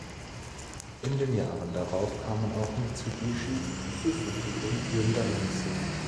In den Jahren darauf kamen auch Mitsubishi, Suzuki und Hyundai hinzu.